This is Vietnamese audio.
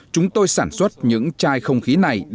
chúng tôi sản xuất những chai không khí này